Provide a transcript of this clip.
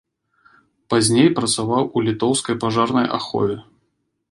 Пазней працаваў у літоўскай пажарнай ахове.